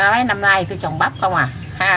mấy năm nay tôi trồng bắp không à